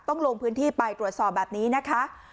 ลงพื้นที่ไปตรวจสอบแบบนี้นะคะ